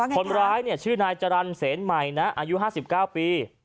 คนร้ายชื่อนายจรรย์เสนใหม่นะอายุ๕๙ปี